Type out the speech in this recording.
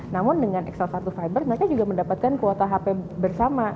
namun dengan excel satu fiber mereka juga mendapatkan kuota hp bersama